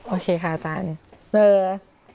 โอเคค่ะอาจารย์